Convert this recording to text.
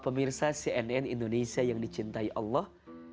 pemirsa cnn indonesia yang dicintai allah